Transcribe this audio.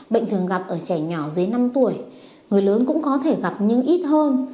bệnh thường gặp ở trẻ nhỏ dưới năm tuổi người lớn cũng có thể gặp nhưng ít hơn